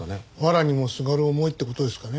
わらにもすがる思いって事ですかね。